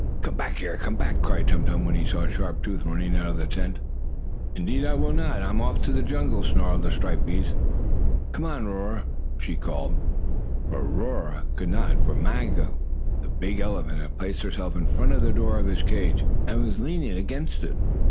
"Come back here! Come back!" cried Tum Tum, when he saw Sharp Tooth running out of the tent. "Indeed I will not! I'm off to the jungle!" snarled the striped beast. "Come on, Roarer!" she called. But Roarer could not, for Maggo, the big elephant, had placed herself in front of the door of his cage, and was leaning against it.